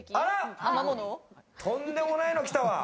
とんでもないの来たわ。